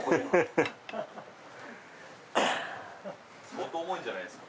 相当重いんじゃないですか？